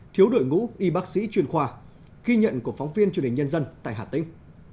thiếu đội ngũ y bác sĩ chuyên khoa ghi nhận của phóng viên truyền hình nhân dân tại hà tĩnh